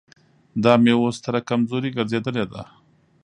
دا مې اوس ستره کمزوري ګرځېدلې ده.